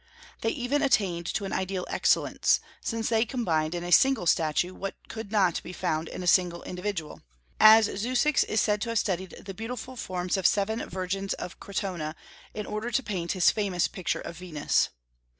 They even attained to an ideal excellence, since they combined in a single statue what could not be found in a single individual, as Zeuxis is said to have studied the beautiful forms of seven virgins of Crotona in order to paint his famous picture of Venus.